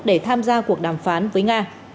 để tham gia cuộc đàm phán với nga